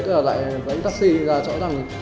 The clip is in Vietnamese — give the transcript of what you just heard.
cứ ở lại với anh taxi ra chỗ rằng